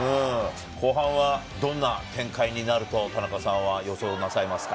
後半はどんな展開になると田中さんは予想されますか？